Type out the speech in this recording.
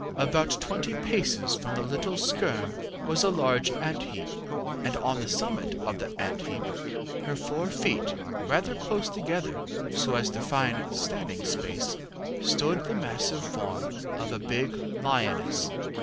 About twenty paces from the little skerm was a large ant heap, and on the summit of the ant heap, her four feet rather close together, so as to find standing space, stood the massive form of a big lioness.